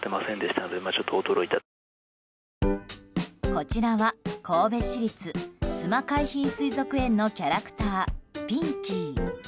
こちらは神戸市立須磨海浜水族園のキャラクターピンキー。